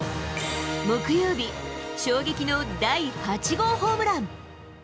木曜日、衝撃の第８号ホームラン。